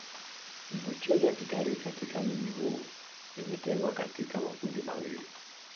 vivutio vya kitalii katika mji huu vimetengwa katika makundi mawili